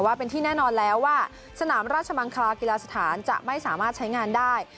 ว่าเป็นที่แน่นอนแล้วว่าสนามราชมังคลากีฬาสถานจะไม่สามารถใช้งานได้